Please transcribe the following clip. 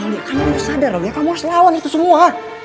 aulia kamu harus sadar aulia kamu harus lawan itu semua